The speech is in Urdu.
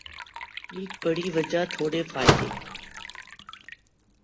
ایک بڑِی وجہ تھوڑے فائدے